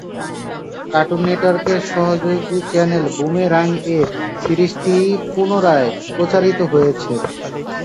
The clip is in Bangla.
কার্টুন নেটওয়ার্কের সহযোগী চ্যানেল বুমেরাং-এ সিরিজটি পুনরায় প্রচারিত হয়েছে।